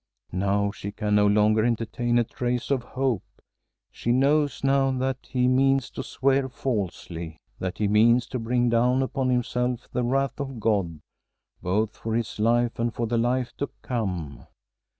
Now she can no longer entertain a trace of hope. She knows now that he means to swear falsely that he means to bring down upon himself the wrath of God, both for this life and for the life to come.